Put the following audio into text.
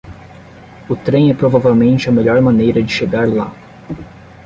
O trem é provavelmente a melhor maneira de chegar lá.